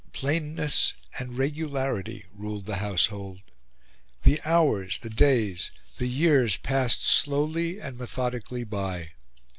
Plainness and regularity ruled the household. The hours, the days, the years passed slowly and methodically by.